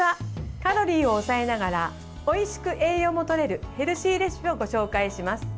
カロリーを抑えながらおいしく栄養もとれるヘルシーレシピをご紹介します。